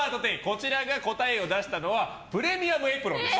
こちらが答えを出したのはプレミアムエプロンです。